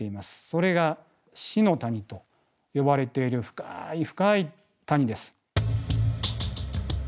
それが死の谷と呼ばれている深い深い谷です。